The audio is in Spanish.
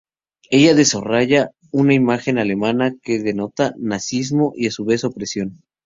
Ella desarrolla una imagen alemana que denota nazismo y, a su vez, opresión.